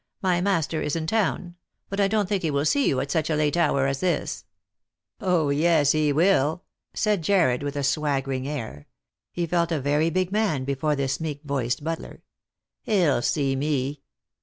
My master is in town ; but I don't think he will see you at such a late hour as this." " yes, he will," said Jarred, with a swaggering air — he felt a very big man before this meek voiced butler ;" he'll see me."